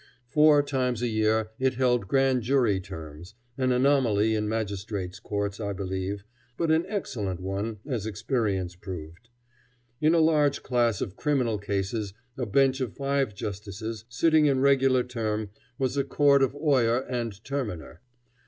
Four times a year it held grand jury terms an anomaly in magistrate's courts, I believe, but an excellent one as experience proved. In a large class of criminal cases a bench of five justices, sitting in regular term, was a court of oyer and terminer.